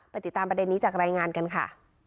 ติดตามประเด็นนี้จากรายงานกันค่ะ